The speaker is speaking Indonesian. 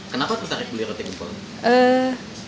kenapa tertarik beli roti gempol